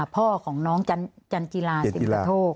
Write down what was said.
พ่อของน้องจันทรีลาสิมกทก